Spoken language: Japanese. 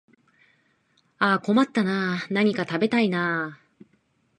ああ困ったなあ、何か食べたいなあ